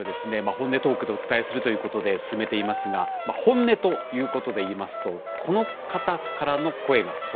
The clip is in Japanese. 本音トークでお伝えするということで進めていますが本音ということでいいますとこの方からの声が届いているんです。